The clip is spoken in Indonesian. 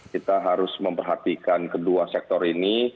kita harus memperhatikan kedua sektor ini